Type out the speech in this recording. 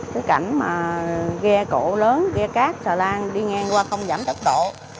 cái cảnh mà ghe cổ lớn ghe cát xà lan đi ngang qua không giảm tốc độ